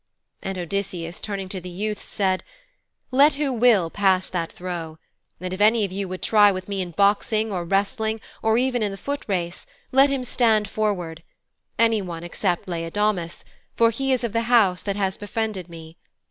And Odysseus, turning to the youths, said, 'Let who will, pass that throw. And if any of you would try with me in boxing or wrestling or even in the foot race, let him stand forward anyone except Laodamas, for he is of the house that has befriended me.